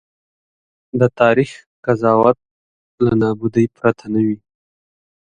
د تاریخ قضاوت یې له نابودۍ پرته نه وي.